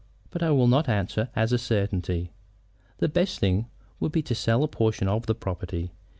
But I will not answer as a certainty. The best thing would be to sell a portion of the property.